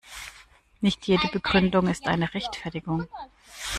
Nicht jede Begründung ist eine Rechtfertigung.